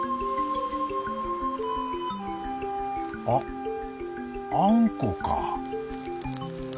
あっあんこか。